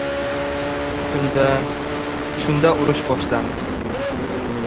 Shunda... shunda, urush boshlandi.